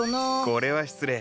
これは失礼。